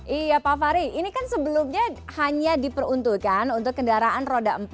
iya pak fahri ini kan sebelumnya hanya diperuntukkan untuk kendaraan roda empat